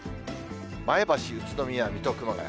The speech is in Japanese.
前橋、宇都宮、水戸、熊谷。